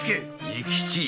仁吉。